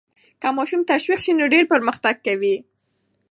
که ماشوم تشویق سي نو ډېر پرمختګ کوي.